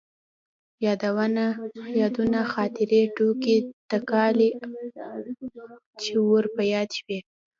يادونه ،خاطرې، ټوکې تکالې چې ور په ياد شوي.